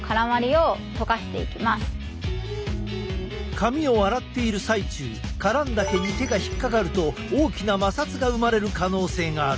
髪を洗っている最中絡んだ毛に手が引っ掛かると大きな摩擦が生まれる可能性がある。